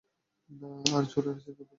আর চোরের চিন্তাভাবনা কি?